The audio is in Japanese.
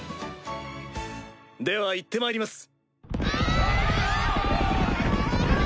では行ってまいります。